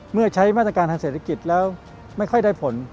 เมื่อใช้มาตรการทางเศรษฐกิจแล้วไม่ค่อยได้ผล